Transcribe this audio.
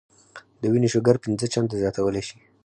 د وينې شوګر پنځه چنده زياتولے شي -